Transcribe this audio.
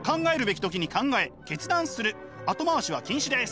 後回しは禁止です。